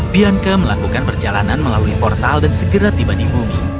bianka melakukan perjalanan melalui portal dan segera tiba di bumi